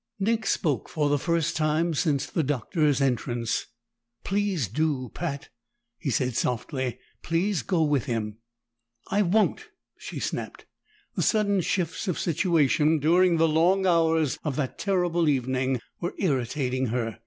Nick spoke for the first time since the Doctor's entrance. "Please do, Pat," he said softly. "Please go with him." "I won't!" she snapped. The sudden shifts of situation during the long hours of that terrible evening were irritating her.